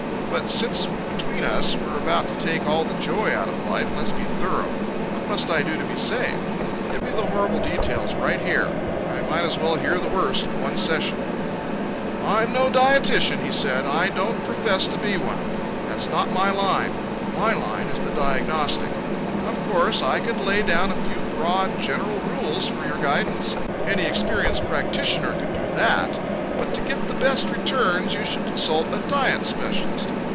But since, between us, we're about to take all the joy out of life, let's be thorough. What must I do to be saved? Give me the horrible details right here. I might as well hear the worst at one session." "I'm no dietitian," he said. "I don't profess to be one. That's not my line my line is the diagnostic. Of course I could lay down a few broad general rules for your guidance any experienced practitioner could do that but to get the best returns you should consult a diet specialist.